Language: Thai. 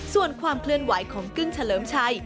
ส่วนความเคลื่อนไหวของกึ้งเฉลิมชัย